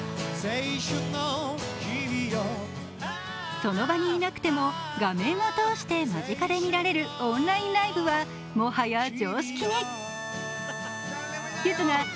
その場にいなくても画面を通して間近で見られるオンラインライブはもはや常識に。